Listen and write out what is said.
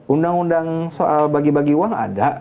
undang undang soal bagi bagi uang ada